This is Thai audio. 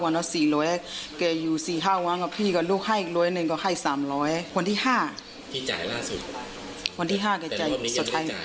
วันที่๕ที่จ่ายล่าสุดวันที่๕ก็จ่ายสุดท้ายแต่วันนี้ยังไม่ได้จ่าย